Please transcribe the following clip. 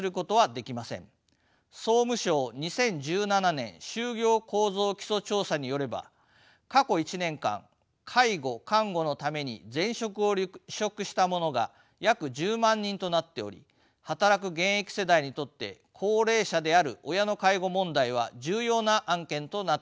総務省２０１７年就業構造基礎調査によれば過去１年間介護・看護のために前職を離職した者が約１０万人となっており働く現役世代にとって高齢者である親の介護問題は重要な案件となっています。